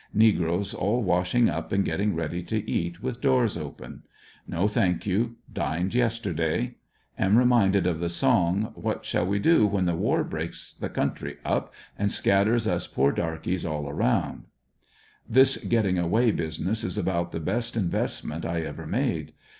Negroes all wash ing up and getting ready to eat, with doors open No, thank you; dined yesterday. Am reminded of the song: ''What shall we do, when the war breaks the country up, and scatters us poor darky s 124 ANDEB80NYILLE DIARY. all around." This gettina: away business is about the best invest ment I ever made.